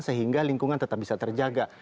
sehingga lingkungan tetap bisa terjaga